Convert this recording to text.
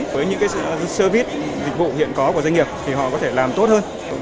với những service dịch vụ hiện có của doanh nghiệp họ có thể làm tốt hơn